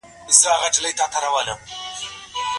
د بيلتون واکداران هم جلا دي.